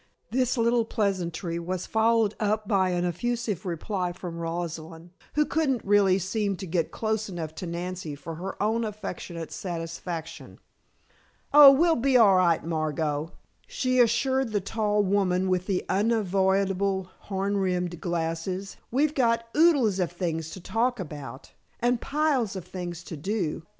This little pleasantry was followed up by an effusive reply from Rosalind, who couldn't really seem to get close enough to Nancy for her own affectionate satisfaction. "Oh, we'll be all right, Margot," she assured the tall woman with the unavoidable horn rimmed glasses. "We've got oodles of things to talk about, and piles of things to do.